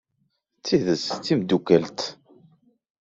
D tidet d timeddukalt?